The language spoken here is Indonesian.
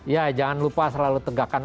ya jangan lupa selalu tegakkan